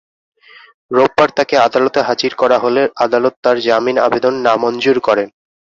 রোববার তাঁকে আদালতে হাজির করা হলে আদালত তাঁর জামিন আবেদন নামঞ্জুর করেন।